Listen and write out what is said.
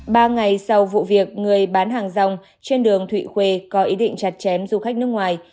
ba ngày sau vụ việc người bán hàng rong trên đường thụy khuê có ý định chặt chém du khách nước ngoài